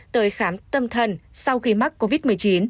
tới khám tâm thần sau khi mắc covid một mươi chín